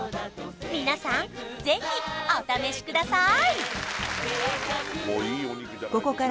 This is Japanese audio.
皆さんぜひお試しください！